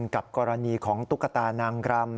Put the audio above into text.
กับกรณีของตุ๊กตานางรำ